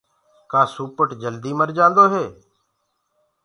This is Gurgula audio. ڪآ سوپٽ جلدي مر جآندو هي؟